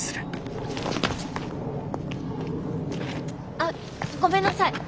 あっごめんなさい。